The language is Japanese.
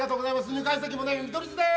２階席もね、見取り図です。